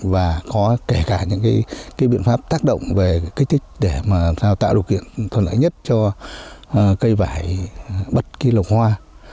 và có kể cả những biện pháp tác động về kích thích để tạo điều kiện thuận lợi nhất cho cây vải bất kỳ lộc hoa